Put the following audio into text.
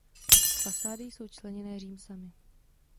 Fasády jsou členěné římsami.